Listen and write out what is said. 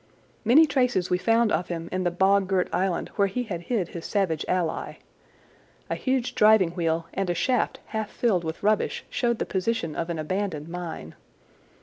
Many traces we found of him in the bog girt island where he had hid his savage ally. A huge driving wheel and a shaft half filled with rubbish showed the position of an abandoned mine.